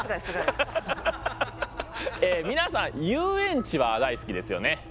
皆さん遊園地は大好きですよね。